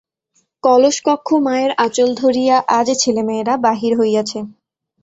কলসকক্ষ মায়ের আঁচল ধরিয়া আজ ছেলেমেয়েরা বাহির হইয়াছে।